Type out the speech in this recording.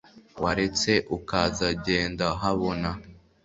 waretse ukaza genda habona